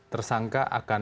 tersangka akan kita tetapkan